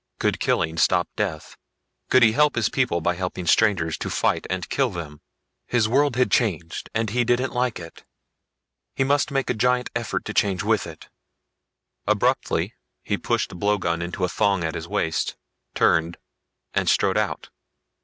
Could killing stop death? Could he help his people by helping strangers to fight and kill them? His world had changed and he didn't like it. He must make a giant effort to change with it. Abruptly, he pushed the blowgun into a thong at his waist, turned and strode out.